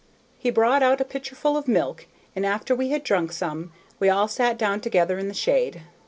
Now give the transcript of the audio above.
He brought out a pitcherful of milk, and after we had drunk some, we all sat down together in the shade.